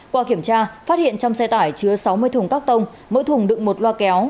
qua kiểm tra phát hiện trong xe tải chứa sáu mươi thùng các tông mỗi thùng đựng một loa kéo